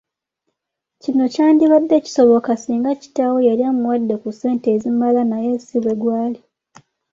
Kino kyandibadde kisoboka singa kitaawe yali amuwadde ku ssente ezimala naye si bwe gwali.